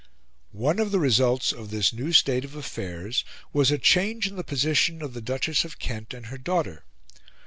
One of the results of this new state of affairs was a change in the position of the Duchess of Kent and her daughter.